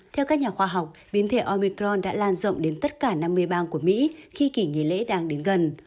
theo các nhà khoa học biến thể omicron đã lan rộng đến tất cả năm mươi bang của mỹ khi kỷ nghỉ lễ đang đến gần